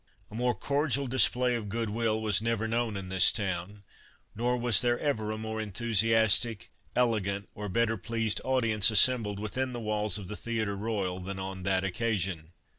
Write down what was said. A more cordial display of goodwill was never known in this town, nor was there ever a more enthusiastic, elegant, or better pleased audience assembled within the walls of the Theatre Royal than on that occasion.